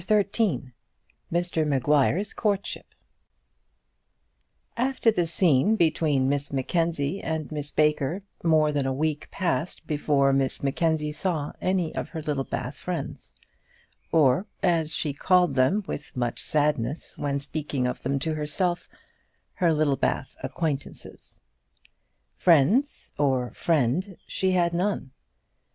CHAPTER XIII Mr Maguire's Courtship After the scene between Miss Mackenzie and Miss Baker more than a week passed by before Miss Mackenzie saw any of her Littlebath friends; or, as she called them with much sadness when speaking of them to herself, her Littlebath acquaintances. Friends, or friend, she had none.